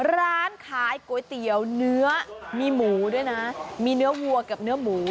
ร้านขายก๋วยเตี๋ยวเนื้อมีหมูด้วยนะมีเนื้อวัวกับเนื้อหมู